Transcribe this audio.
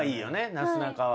なすなかは。